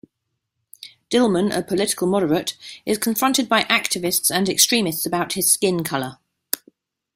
Dilman, a political moderate, is confronted by activists and extremists about his skin color.